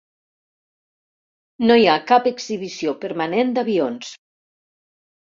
No hi cap exhibició permanent d'avions.